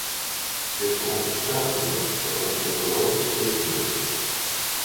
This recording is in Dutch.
Dit veronderstelt immers dat er een ecologisch evenwicht is.